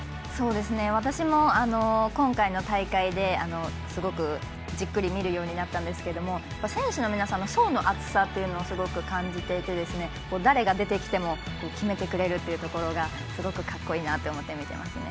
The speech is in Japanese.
私も今回の大会ですごくじっくり見るようになったんですけど選手の皆さんの層の厚さをすごく感じていて誰が出てきても決めてくれるというところがすごくかっこいいなと思って見ていますね。